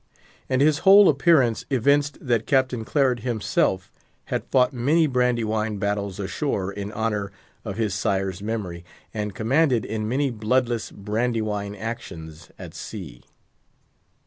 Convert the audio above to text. And his whole appearance evinced that Captain Claret himself had fought many Brandywine battles ashore in honour of his sire's memory, and commanded in many bloodless Brandywine actions at sea.